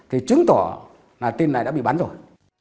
thì chứng tỏ là tin này đã bị bán rồi